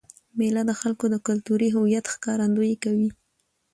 مېله د خلکو د کلتوري هویت ښکارندويي کوي.